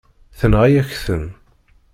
Tenɣa-yak-ten.